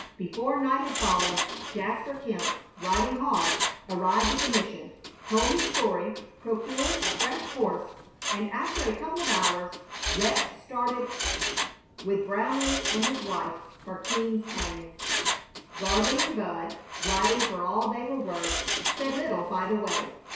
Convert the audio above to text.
Before night had fallen Jasper Kemp, riding hard, arrived at the mission, told his story, procured a fresh horse, and after a couple of hours, rest started with Brownleigh and his wife for Keams Cañon. Gardley and Bud, riding for all they were worth, said little by the way.